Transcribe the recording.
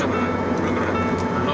berapa kali tadi tidur